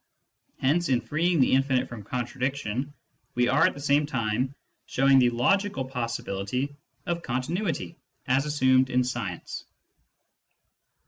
Hence, in freeing the infinite from contradiction, we are at the same time showing the logical possibility of continuity as assumed in science.